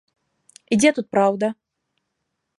І дзе тут праўда?